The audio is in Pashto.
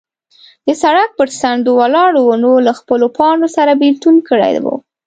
د سړک پر څنډو ولاړو ونو له خپلو پاڼو سره بېلتون کړی و.